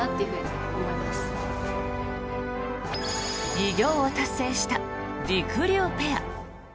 偉業を達成したりくりゅうペア。